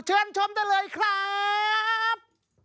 เชิญชมได้เลยครับ